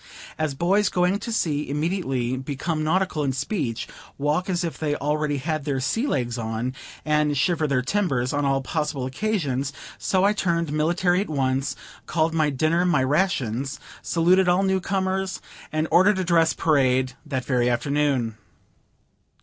As boys going to sea immediately become nautical in speech, walk as if they already had their "sea legs" on, and shiver their timbers on all possible occasions, so I turned military at once, called my dinner my rations, saluted all new comers, and ordered a dress parade that very afternoon.